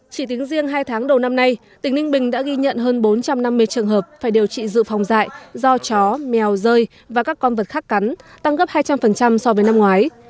chỉ tính riêng hai tháng đầu năm nay tỉnh ninh bình đã ghi nhận hơn bốn trăm năm mươi trường hợp phải điều trị dự phòng dại do chó mèo rơi và các con vật khác cắn tăng gấp hai trăm linh so với năm ngoái